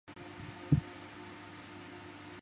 墨脱吊石苣苔为苦苣苔科吊石苣苔属下的一个种。